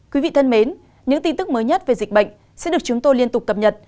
quý vị thân mến những tin tức mới nhất về dịch bệnh sẽ được chúng tôi liên tục cập nhật